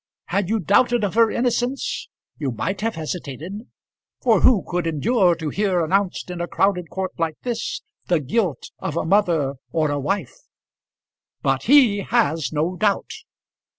Had you doubted of her innocence you might have hesitated; for who could endure to hear announced in a crowded court like this the guilt of a mother or a wife? But he has no doubt.